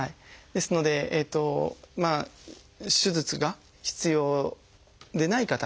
ですので手術が必要でない方。